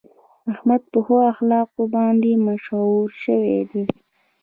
احمد په ښو اخلاقو باندې مشهور شوی دی.